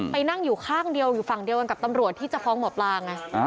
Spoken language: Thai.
ไปนั่งอยู่ข้างเดียวอยู่ฝั่งเดียวกันกับตำรวจที่จะฟ้องหมอปลาไง